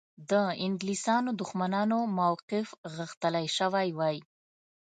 د انګلیسیانو دښمنانو موقف غښتلی شوی وای.